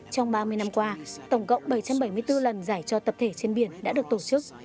trong ba mươi năm qua tổng cộng bảy trăm bảy mươi bốn lần giải cho tập thể trên biển đã được tổ chức